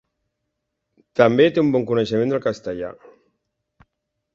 També té un bon coneixement del castellà.